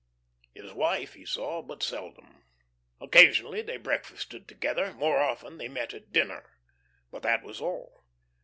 "_ His wife he saw but seldom. Occasionally they breakfasted together; more often they met at dinner. But that was all.